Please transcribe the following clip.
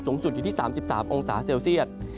สูงสุดอยู่ที่๓๓องศาเซลเซียต